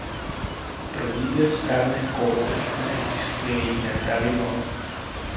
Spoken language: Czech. Pro výběr správné koule neexistuje jediné pravidlo.